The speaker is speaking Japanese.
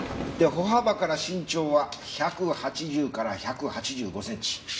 歩幅から身長は１８０から１８５センチ。